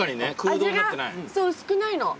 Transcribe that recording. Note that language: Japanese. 味が薄くないの。